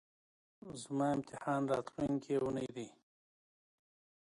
زما امتحان راتلونکۍ اونۍ ده